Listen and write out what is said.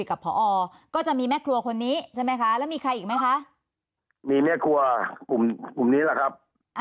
และก็จะมีจังและที่เจอกันแค่นั้นแหละครับลงผมไม่ได้คุย